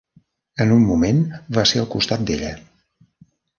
En un moment va ser al costat d'ella.